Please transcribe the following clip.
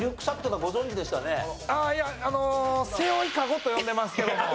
ああいやあの背負いカゴと呼んでますけども。